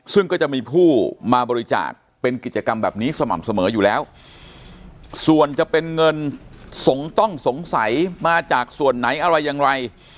ซึ่งก็จะมีผู้มาบริจาคเป็นกิจกรรมแบบนี้สม่ำเสมออยู่แล้วส่วนจะเป็นเงินสงต้องสงสัยมาจากส่วนไหนอะไรอย่างไร